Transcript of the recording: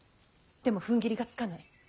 でもふんぎりがつかない。